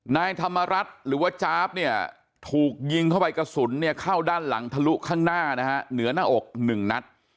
นายธรรมรัฐหรือว่าจ๊าบเนี่ยถูกยิงเข้าไปกระสุนเนี่ยเข้าด้านหลังทะลุข้างหน้านะฮะเหนือหน้าอกหนึ่งนัด